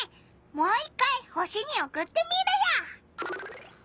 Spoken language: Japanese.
もう一回星におくってみるよ！